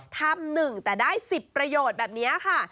ทำ๑แต่ได้๑๐ประโยชน์แบบนี้ค่ะ